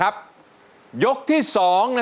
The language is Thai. ขอบคุณค่ะ